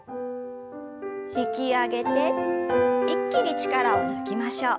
引き上げて一気に力を抜きましょう。